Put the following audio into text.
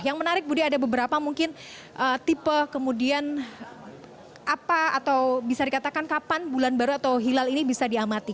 yang menarik budi ada beberapa mungkin tipe kemudian apa atau bisa dikatakan kapan bulan baru atau hilal ini bisa diamati